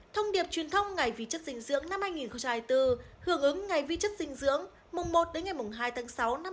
thông điệp truyền thông ngày vi chất dinh dưỡng năm hai nghìn bốn hưởng ứng ngày vi chất dinh dưỡng mùng một đến ngày mùng hai tháng sáu năm hai nghìn bốn